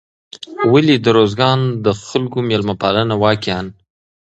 ولې د روزګان د خلکو میلمه پالنه واقعا